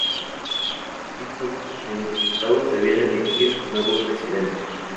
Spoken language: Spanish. Estos, junto con los diputados, debían elegir al nuevo presidente.